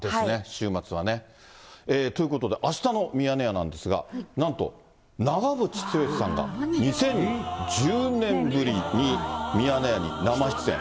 週末はね。ということで、あしたのミヤネ屋なんですが、なんと長渕剛さんが、１２年ぶりにミヤネ屋に生出演。